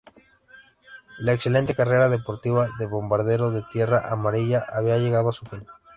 La excelente carrera deportiva del "Bombardero de Tierra Amarilla" había llegado a su fin.